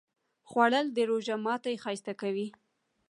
خوړل د روژه ماتی ښایسته کوي